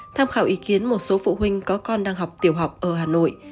tham khảo ý kiến một số phụ huynh có con đang học tiểu học ở hà nội